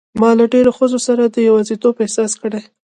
ما له ډېرو ښځو سره د یوازیتوب احساس کړی.